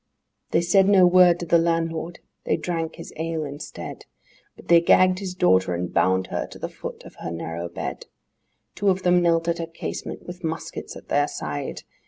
II They said no word to the landlord, they drank his ale instead, But they gagged his daughter and bound her to the foot of her narrow bed; Two of them knelt at her casement, with muskets at their side!